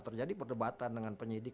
terjadi perdebatan dengan penyidik